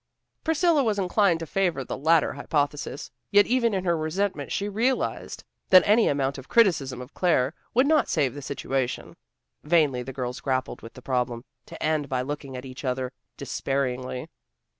Priscilla was inclined to favor the latter hypothesis, yet even in her resentment she realized that any amount of criticism of Claire would not save the situation. Vainly the girls grappled with the problem, to end by looking at each other despairingly.